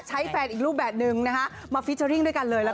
ใช้แฟนอีกรูปแบบเนี่ย